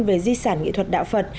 về di sản nghị thuật đạo phật